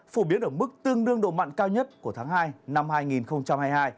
phổ biến ở mức tương đương độ mặn cao nhất của tháng hai năm hai nghìn hai mươi hai